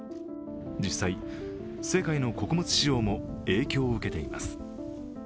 実際、世界の穀物市場も影響を受けています。